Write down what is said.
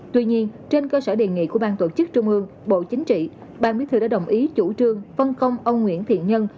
tuy nhiên trên cơ sở đề nghị của bang tổ chức trung ương bộ chính trị ban bí thư đã đồng ý chủ trương phân công ông nguyễn thiện nhân